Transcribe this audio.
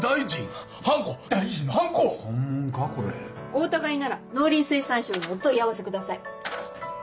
お疑いなら農林水産省にお問い合わせください。